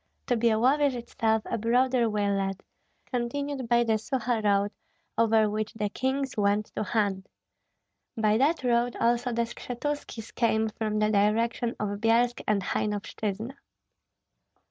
To Byalovyej itself a broader way led, continued by the Suha road, over which the kings went to hunt. By that road also the Skshetuskis came from the direction of Byelsk and Hainovshyna.